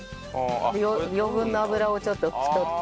余分な油をちょっと拭き取って。